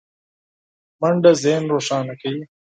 منډه ذهن روښانه کوي